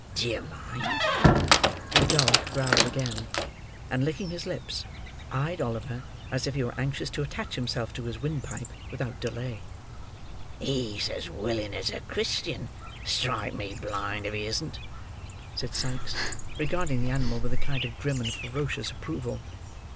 D'ye mind!" The dog growled again; and licking his lips, eyed Oliver as if he were anxious to attach himself to his windpipe without delay. "He's as willing as a Christian, strike me blind if he isn't!" said Sikes, regarding the animal with a kind of grim and ferocious approval.